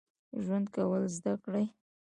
ژوند کول زده کړئ